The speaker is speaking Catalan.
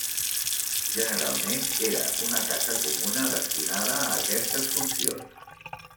Generalment era una casa comuna destinada a aquestes funcions.